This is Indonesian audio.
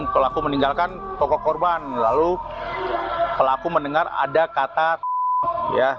pelaku meninggalkan toko korban lalu pelaku mendengar ada kata ya